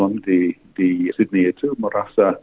memang itu adalah isu yang sangat dekat dan masyarakat muslim umat muslim